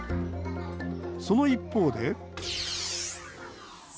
その一方で。